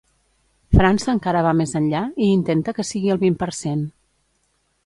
França encara va més enllà i intenta que sigui el vint per cent.